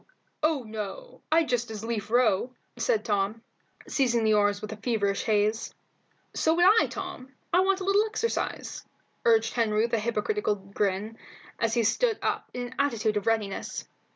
"Oh no, I'd just as lief row," said Tom, seizing the oars with feverish haste. "So would I, Tom; I want a little exercise," urged Henry with a hypocritical grin, as he stood up in an attitude of readiness.